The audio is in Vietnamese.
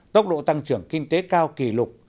tốc độ tăng trưởng kinh tế cao kỷ lục